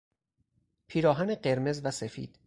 پیراهن قرمز وسفید